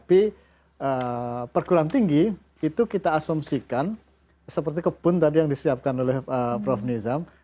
tapi perguruan tinggi itu kita asumsikan seperti kebun tadi yang disiapkan oleh prof nizam